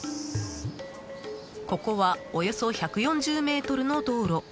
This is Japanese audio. ここはおよそ１４０ｍの道路。